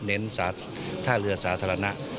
เน้นท่าเรือสาธารณะ